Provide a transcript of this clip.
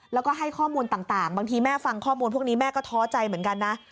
แล้วก็ให้ข้อมูลต่างบางทีแม่ฟังข้อมูลพวกนี้แม่ก็ท้อใจเหมือนกันนะ